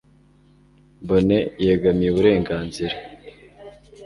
Bonnet yegamiye uburenganzira